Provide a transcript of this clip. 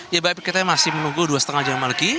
ya baik kita masih menunggu dua lima jam lagi